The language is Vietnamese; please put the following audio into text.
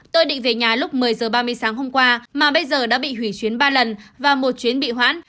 tôi định về nhà lúc một mươi h ba mươi sáng hôm qua mà bây giờ đã bị hủy chuyến ba lần và một chuyến bị hoãn